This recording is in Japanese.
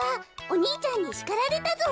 お兄ちゃんにしかられたぞ。